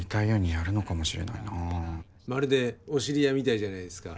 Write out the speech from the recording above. まるでお知り合いみたいじゃないですか。